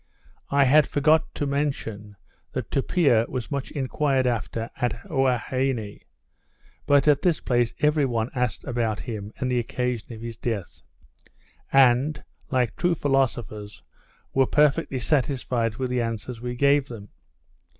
I had forgot to mention, that Tupia was much enquired after at Huaheine; but, at this place, every one asked about him, and the occasion of his death; and, like true philosophers, were perfectly satisfied with the answers we gave them.